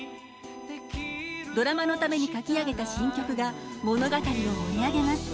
ドラマのために書き上げた新曲が物語を盛り上げます。